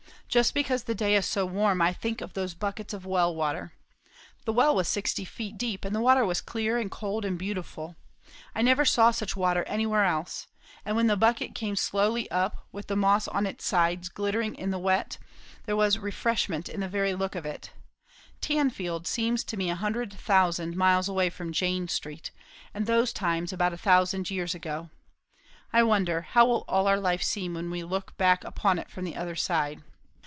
Just because the day is so warm, I think of those buckets of well water. The well was sixty feet deep, and the water was clear and cold and beautiful I never saw such water anywhere else; and when the bucket came slowly up, with the moss on its sides glittering with the wet, there was refreshment in the very look of it. Tanfield seems to me a hundred thousand miles away from Jane Street; and those times about a thousand years ago. I wonder, how will all our life seem when we look back upon it from the other side?"